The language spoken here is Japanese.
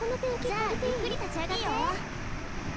じゃあゆっくり立ち上がっていいよ